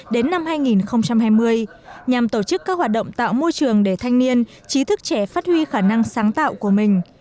đến năm hai nghìn hai mươi nhằm tổ chức các hoạt động tạo môi trường để thanh niên trí thức trẻ phát huy khả năng sáng tạo của mình